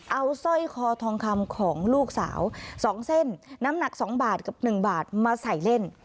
เอาสร้อยคอทองคำของลูกสาว๒เส้นน้ำหนัก๒บาทกับ๑บาทมาใส่เล่น